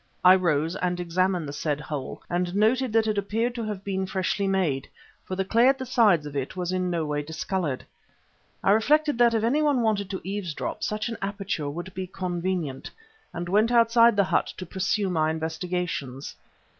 I rose and examined the said hole, and noted that it appeared to have been freshly made, for the clay at the sides of it was in no way discoloured. I reflected that if anyone wanted to eavesdrop, such an aperture would be convenient, and went outside the hut to pursue my investigations.